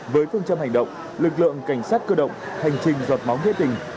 với phương châm hành động lực lượng cảnh sát cơ động hành trình giọt máu nghĩa tình